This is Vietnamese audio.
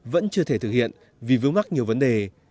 vẫn chưa thể thực hiện vì vướng mắt nhiều vấn đề